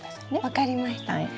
分かりました。